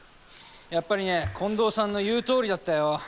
やっぱりね近藤さんの言うとおりだったよ。